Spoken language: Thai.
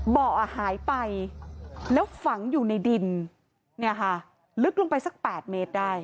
เบาะหายไปแล้วฝังอยู่ในดินเนี่ยค่ะลึกลงไปสัก๘เมตรได้